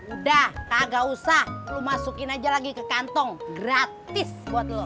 udah kagak usah lo masukin aja lagi ke kantong gratis buat lo